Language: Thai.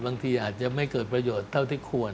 บางทีอาจจะไม่เกิดประโยชน์เท่าที่ควร